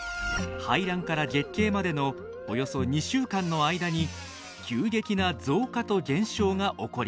排卵から月経までのおよそ２週間の間に急激な増加と減少が起こります。